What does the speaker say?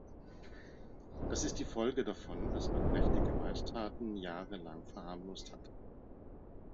Das ist die Folge davon, dass man rechte Gewalttaten jahrelang verharmlost hat.